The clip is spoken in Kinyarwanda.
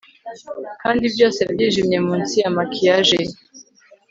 kandi, byose byijimye munsi ya maquillage ye